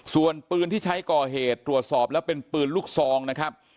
ส่วนปืนที่ใช้ก่อเหตุตรวจสอบแล้วเป็นปืนลูกซองนะครับ